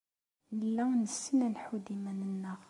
Nella nessen ad nḥudd iman-nneɣ.